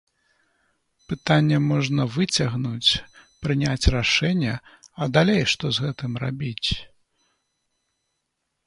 Пытанне можна выцягнуць, прыняць рашэнне, а далей што з гэтым рабіць?